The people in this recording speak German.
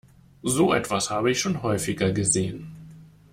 So etwas habe ich schon häufiger gesehen.